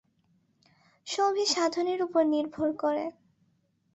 সবই সাধনের উপর নির্ভর করে।